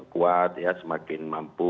kuat ya semakin mampu